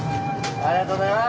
ありがとうございます！